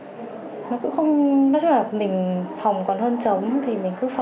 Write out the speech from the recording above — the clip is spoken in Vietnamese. nó chắc là mình phòng còn hơn chống thì mình cứ phòng thôi